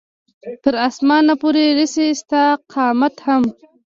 تر اسمانه پورې رسي ستا قامت هم